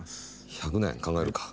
１００年考えるか。